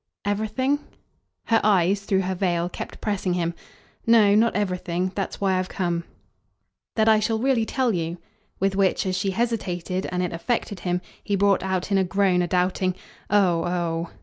"Everything?" Her eyes, through her veil, kept pressing him. "No not everything. That's why I've come." "That I shall really tell you?" With which, as she hesitated and it affected him, he brought out in a groan a doubting "Oh, oh!"